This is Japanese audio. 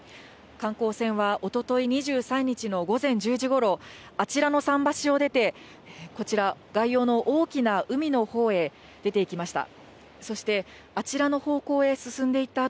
観光船はおととい２３日の午前１０時ごろ、あちらの桟橋を出て、こちら、外洋の大きな海のほうへ出ていきました。